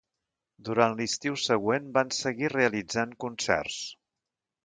Durant l'estiu següent van seguir realitzant concerts.